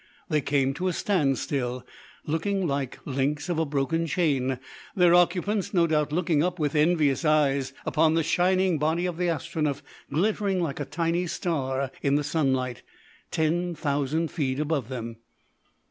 They came to a standstill, looking like links of a broken chain, their occupants no doubt looking up with envious eyes upon the shining body of the Astronef glittering like a tiny star in the sunlight ten thousand feet above them.